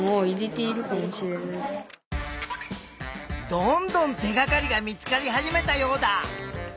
どんどん手がかりが見つかり始めたヨウダ！